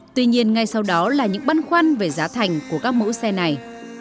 tuy nhiên ngay sau đó là những băn khoăn về giá thành của các mẫu xe này